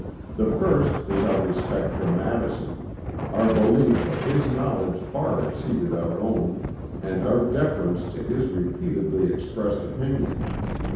The first is our respect for Madison, our belief that his knowledge far exceeded our own, and our deference to his repeatedly expressed opinion.